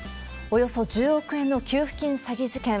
およそ１０億円の給付金詐欺事件。